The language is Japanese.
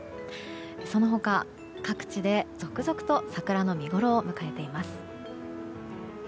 その他、各地で続々と桜の見ごろを迎えています。